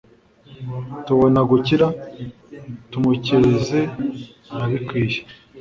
tubona gukira, tumukeze arabikwiye